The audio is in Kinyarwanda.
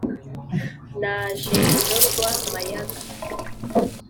naje ndorwa mayaga